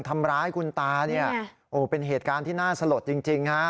ทำร้ายคุณตาเนี่ยโอ้เป็นเหตุการณ์ที่น่าสลดจริงฮะ